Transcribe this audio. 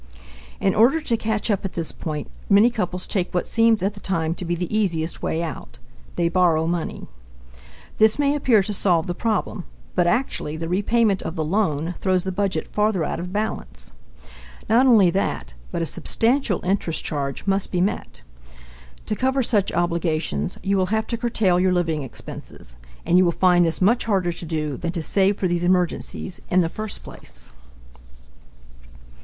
In order to catch up at this point, many couples take what seems at the time to be the easiest way out they borrow money. This may appear to solve the problem, but actually the repayment of the loan throws the budget farther out of balance. Not only that, but a substantial interest charge must be met. To cover such obligations, you will have to curtail your living expenses, and you will find this much harder to do than to save for these emergencies in the first place.